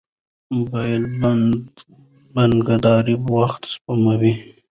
موبایل بانکداري وخت سپموي.